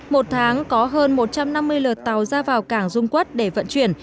một tháng có hơn một trăm năm mươi lượt tàu ra vào cảng dung quốc để vận chuyển